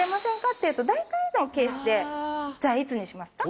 って言うとだいたいのケースで「じゃあいつにしますか？」